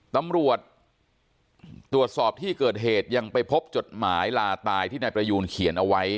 ตำรวจตรวจสอบที่เกิดเหตุยังไปพบจดหมายลาตายที่นายประยูนเขียนเอาไว้